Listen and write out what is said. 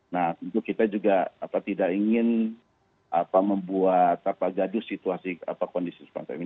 nah kita juga tidak ingin membuat jadu situasi kondisi